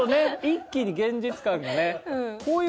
一気に現実感がね。